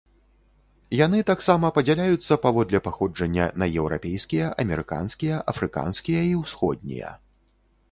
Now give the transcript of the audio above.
Яны таксама падзяляюцца паводле паходжання на еўрапейскія, амерыканскія, афрыканскія і ўсходнія.